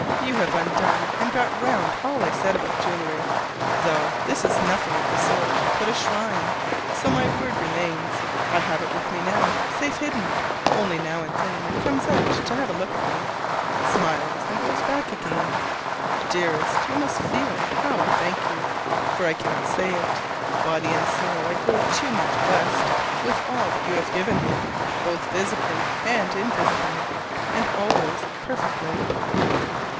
You have undone and got round all I said about "jewelry," though this is nothing of the sort, but a shrine: so my word remains. I have it with me now, safe hidden, only now and then it comes out to have a look at me, smiles and goes back again. Dearest, you must feel how I thank you, for I cannot say it: body and soul I grow too much blessed with all that you have given me, both visibly and invisibly, and always perfectly.